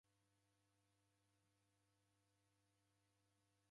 Koshi yake yadalala irikonyi.